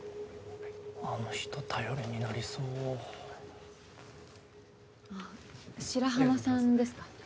あの人頼りになりそうああ白浜さんですか？